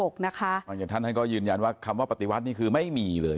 แล้วท่านก็ยืนยันว่าคำว่าปฏิวัติฯคือไม่มีเลย